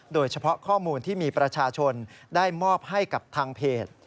โดยเฉพาะข้อมูลที่มีประชาชนได้มอบให้กับทางเพจ